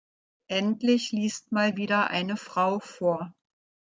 Endlich liest mal wieder eine Frau vor!